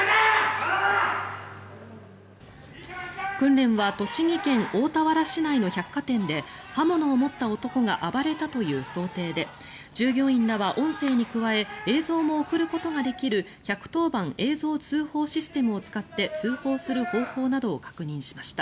訓練は栃木県大田原市内の百貨店で刃物を持った男が暴れたという想定で従業員らは、音声に加え映像も送ることができる１１０番映像通報システムを使って通報する方法などを確認しました。